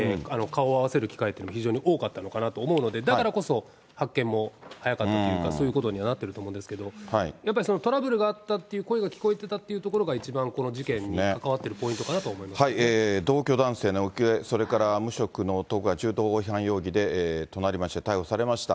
だから近隣の人とは非常に仲がよくて、顔を合わせる機会というのも非常に多かったのかなと思うので、だからこそ、発見も早かったというか、そういうことにはなってると思うんですけれども、やっぱりトラブルがあったという声が聞こえてたというところが、一番この事件に関同居男性の行方、それから無職の男が銃刀法違反容疑で隣町で逮捕されました。